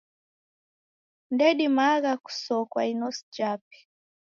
Ndedimagha kusokwa inosi jape.